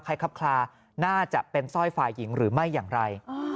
คับคลาน่าจะเป็นสร้อยฝ่ายหญิงหรือไม่อย่างไร